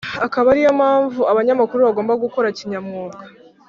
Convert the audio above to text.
Akaba ari yo mpamvu abanyamakuru bagomba gukora kinyamwuga